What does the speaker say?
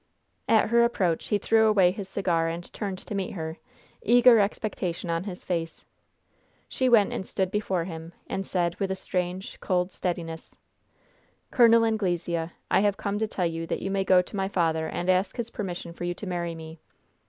At her approach he threw away his cigar and turned to meet her, eager expectation on his face. She went and stood before him, and said, with a strange, cold steadiness: "Col. Anglesea, I have come to tell you that you may go to my father and ask his permission for you to marry me.